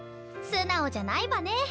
素直じゃないわね。